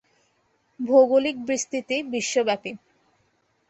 ভৌগোলিক বিস্তৃতি বিশ্বব্যাপী।